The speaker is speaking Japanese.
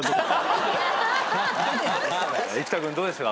生田君どうでしたか？